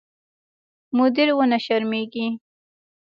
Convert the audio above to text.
مدیر ونه شرمېږي.